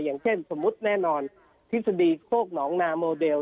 อย่างเช่นสมมุติแน่นอนทฤษฎีโคกหนองนาโมเดล